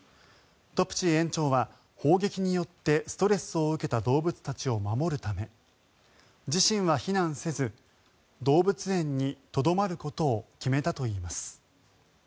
トプチー園長は砲撃によってストレスを受けた動物たちを守るため自身は避難せず動物園にとどまることを決めたといいます。